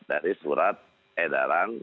dari surat edaran